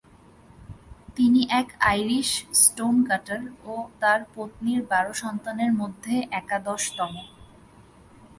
তিনি এক Irish stone cutter ও তার পত্নীর বারো সন্তানের মধ্যে একাদশতম।